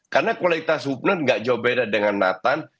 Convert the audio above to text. karena kualitas hoopner enggak jauh beda dengan nathan